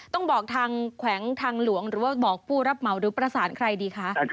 ต้องบอกทางแขวงทางหลวงหรือว่าบอกผู้รับเหมาหรือประสานใครดีคะ